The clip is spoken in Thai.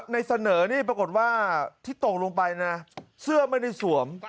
ในเสนอนี่ปรากฏว่าที่ตกลงไปนะเสื้อไม่ได้สวม